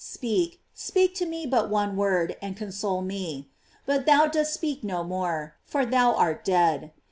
Speak, speak to me but one word, and console me; but thou dost speak no more, for thou art dead.